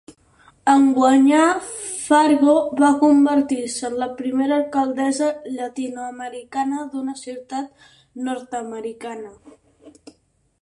En guanyar, Fargo va convertir-se en la primera alcaldessa llatinoamericana d'una ciutat nord-americana.